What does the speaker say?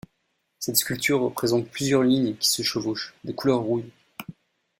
Cette sculpture représente plusieurs lignes qui se chevauchent, de couleur rouille.